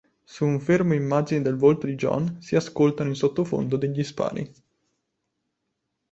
Su un fermo immagine del volto di John si ascoltano in sottofondo degli spari.